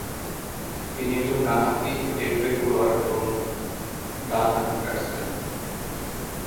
তিনি একজন ডানহাতি লেগ ব্রেক বোলার এবং ডানহাতি ব্যাটসম্যান।